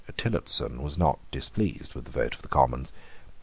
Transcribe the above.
Tillotson was not displeased with the vote of the Commons.